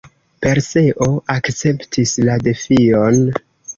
Perseo akceptis la defion.